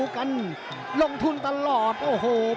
ฝ่ายทั้งเมืองนี้มันตีโต้หรืออีโต้